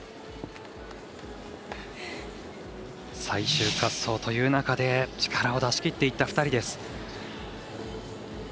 最終滑走という中で力を出しきった２人です。